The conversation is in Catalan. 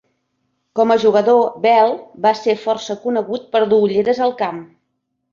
Com a jugador, Bell va ser força conegut per dur ulleres al camp.